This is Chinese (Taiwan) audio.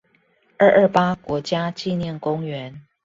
二二八國家紀念公園